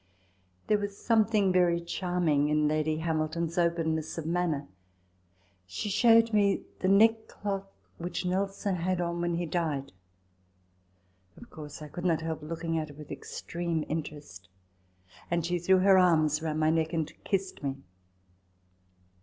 There was something very charming in Lady Hamilton's openness of manner. She showed me the neckcloth which Nelson had on when he died : of course, I could not help looking at it with extreme interest ; and she threw her arms round my neck and kissed me.